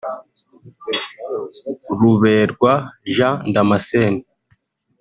Ruberwa Jean Damascène